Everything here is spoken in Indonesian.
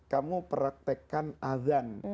kamu peretekkan adhan